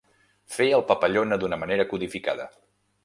Fer el papallona d'una manera codificada.